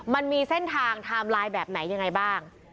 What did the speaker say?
มันมีเส้นทางไทม์ไลน์แบบไหนยังไงบ้าง